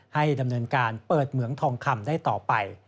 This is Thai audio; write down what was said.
ให้ดำเนินการเปิดเหมืองทองคำได้ต่อไป